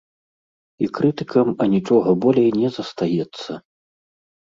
І крытыкам анічога болей не застаецца.